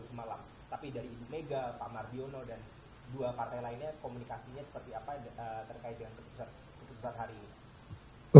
komunikasinya seperti apa terkait dengan keputusan hari ini